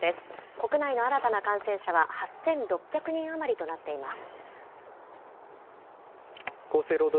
国内の新たな感染者は８６００人余りとなっています。